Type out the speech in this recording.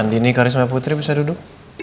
nanti nih karisma putri bisa duduk